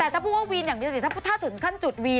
แต่ถ้าพูดว่าวีนอย่างมีสติ